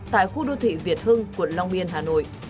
tại khu đô thị việt hưng quận long biên hà nội